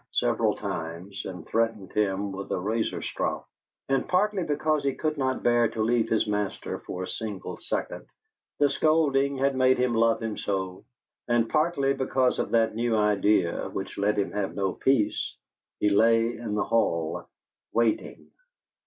several times, and threatened him with a razorstrop. And partly because he could not bear to leave his master for a single second the scolding had made him love him so and partly because of that new idea, which let him have no peace, he lay in the hall waiting.